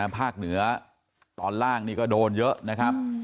ภาคเหนือตอนล่างก็โดนเยอะ